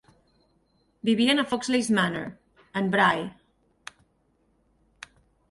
Vivien a Foxley's Manor, en Bray.